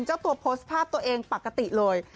เจ้าตัวโพสต์ภาพตัวเองปกติเลย